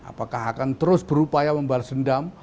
apakah akan terus berupaya membalas dendam